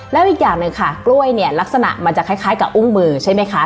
แล้วอีกอย่างหนึ่งค่ะกล้วยเนี่ยลักษณะมันจะคล้ายกับอุ้งมือใช่ไหมคะ